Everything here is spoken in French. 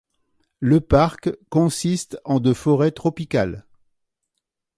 Le parc consiste en de forêt tropicale.